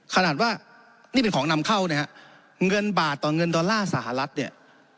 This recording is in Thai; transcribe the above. ขนาดว่านี่เป็นของนำเข้านะฮะเงินบาทต่อเงินดอลลาร์สหรัฐเนี่ย